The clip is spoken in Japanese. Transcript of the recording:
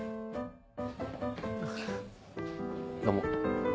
どうも。